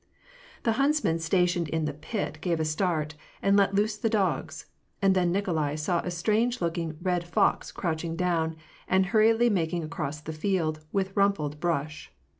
The huntsman stationed in the pit gave a start, and let loose the dogs; and then Nikolai saw a strange looking red fox crouching down, and hurriedly making across the field, with rumpled brash.